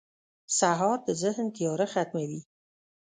سهار د ذهن تیاره ختموي.